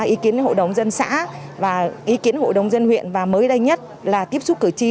ý kiến với hội đồng dân xã và ý kiến hội đồng dân huyện và mới đây nhất là tiếp xúc cử tri